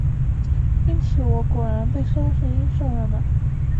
因此我果然被说是音色了呢。